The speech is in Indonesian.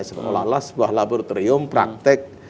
sebuah laboratorium praktek